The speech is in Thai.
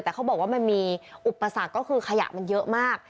แต่เขาบอกว่ามันมีอุปสรรคก็คือขยะมันเยอะมาก